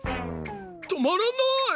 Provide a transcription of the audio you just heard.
とまらない！